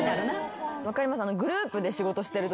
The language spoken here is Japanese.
分かります。